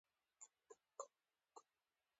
افغانستان په خپلو ښارونو ډېر غني هېواد دی.